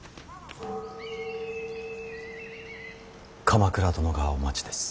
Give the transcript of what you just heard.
鎌倉殿がお待ちです。